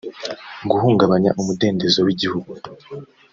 guhungabanya umudendezo w igihugu